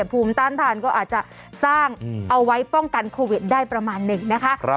ภูมิต้านทานก็อาจจะสร้างเอาไว้ป้องกันโควิดได้ประมาณหนึ่งนะคะ